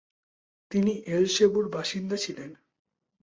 তিনি এল সেবুর বাসিন্দা ছিলেন।